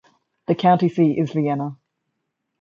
The county seat is Vienna.